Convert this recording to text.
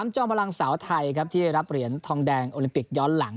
จอมพลังสาวไทยครับที่รับเหรียญทองแดงโอลิมปิกย้อนหลัง